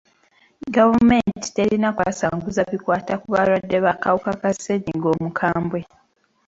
Gavumenti terina kwasanguza bikwata ku balwadde b'akawuka ka ssenyiga omukambwe.